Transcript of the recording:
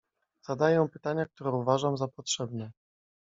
"Zadaję pytania, które uważam za potrzebne."